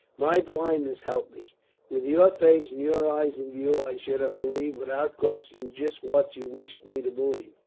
My blindness helped me. With your face and your eyes in view I should have believed without question just what you wished me to believe.